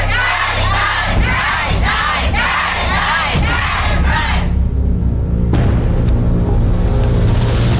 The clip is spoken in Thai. ได้